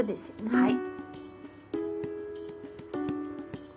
はい。